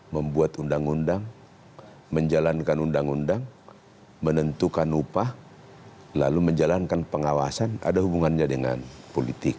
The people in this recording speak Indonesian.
membuat undang undang menjalankan undang undang menentukan upah lalu menjalankan pengawasan ada hubungannya dengan politik